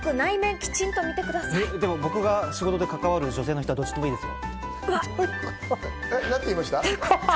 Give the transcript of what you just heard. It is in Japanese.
僕が仕事で関わる女性の方はどっちもいいですよ